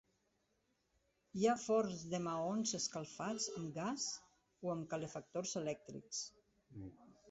Hi ha forns de maons escalfats amb gas o amb calefactors elèctrics.